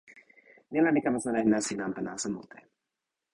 ni la, mi kama sona e nasin nanpa nasa mute.